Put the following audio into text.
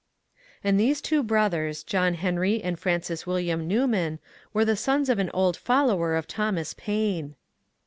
And those two brothers, John Henry and Francis William Newman, were the sons of an old follower of Thomas Paine